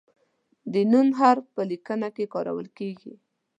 د "ن" حرف په لیکنه کې کارول کیږي.